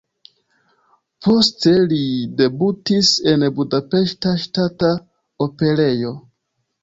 Poste li debutis en Budapeŝta Ŝtata Operejo.